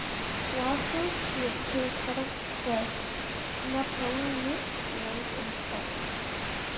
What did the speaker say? While still a student he was part of the Napoleonic Wars in Spain.